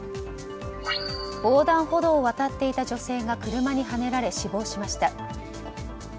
横断歩道を渡っていた女性が車にはねられ死亡しました。